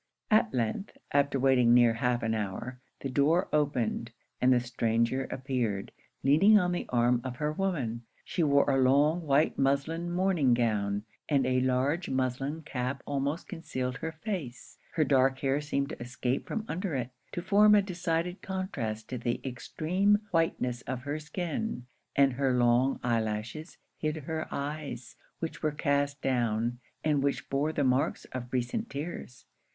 At length, after waiting near half an hour, the door opened, and the stranger appeared, leaning on the arm of her woman. She wore a long, white muslin morning gown, and a large muslin cap almost concealed her face; her dark hair seemed to escape from under it, to form a decided contrast to the extreme whiteness of her skin; and her long eye lashes hid her eyes, which were cast down, and which bore the marks of recent tears.